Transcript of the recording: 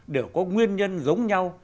đều có nguyên nhân giống nhau